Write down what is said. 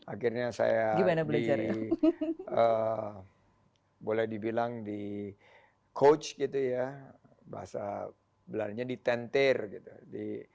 akhirnya saya di boleh dibilang di coach gitu ya bahasa belarannya di tentir gitu